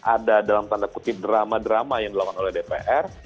ada dalam tanda kutip drama drama yang dilakukan oleh dpr